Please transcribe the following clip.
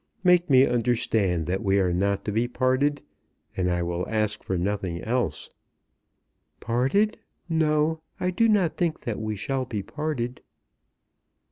Make me understand that we are not to be parted, and I will ask for nothing else." "Parted! No, I do not think that we shall be parted."